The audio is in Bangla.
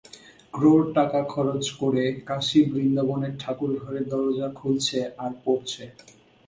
ক্রোর টাকা খরচ করে কাশী বৃন্দাবনের ঠাকুরঘরের দরজা খুলছে আর পড়ছে।